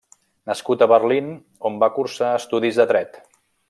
Nascut a Berlín, on va cursar estudis de Dret.